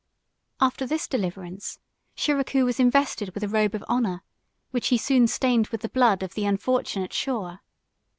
After this deliverance, Shiracouh was invested with a robe of honor, which he soon stained with the blood of the unfortunate Shawer.